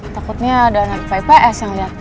takutnya ada anak pps yang liat